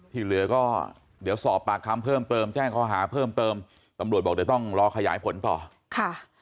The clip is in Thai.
ทีเหลือก็เดี๋ยวสอบปากคำเพิ่มแจ้งคอหาเพิ่มตำรวจบอกว่าต้องรอขยายผลต่อ